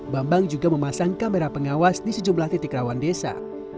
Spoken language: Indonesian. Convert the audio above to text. bambang juga memasang kamera pengawas di sejumlah titik rawan desa